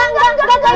enggak enggak enggak